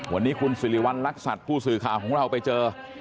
วันนี้คุณสิริวัณรักษัตริย์ผู้สื่อข่าวของเราไปเจอ